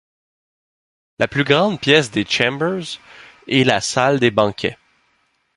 La plus grande pièce des Chambers est la salle des banquets.